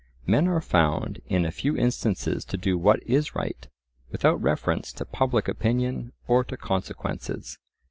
Men are found in a few instances to do what is right, without reference to public opinion or to consequences.